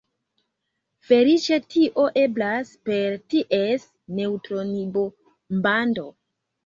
Feliĉe tio eblas per ties neŭtronbombado.